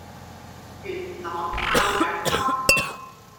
元朗炮仗坊